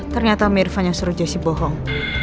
ternyata mirvan yang suruh jessy bohong